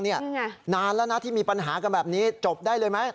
นี่นานแล้วนะที่มีปัญหากันแบบนี้จบได้เลยไหม